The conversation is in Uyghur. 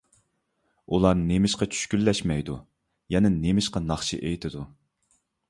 ئۇلار نېمىشقا چۈشكۈنلەشمەيدۇ؟ يەنە نېمىشقا ناخشا ئېيتىدۇ؟